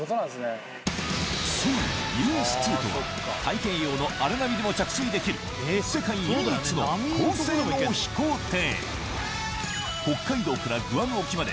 そうＵＳ−２とは太平洋の荒波でも着水できる世界唯一の高性能飛行艇